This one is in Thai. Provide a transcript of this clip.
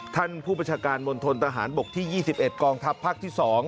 ท่านผู้ประชาการมณฑนทหารบกที่๒๑กองทัพภาคที่๒